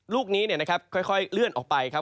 ลูกนี้เนี่ยนะครับค่อยเลื่อนออกไปครับ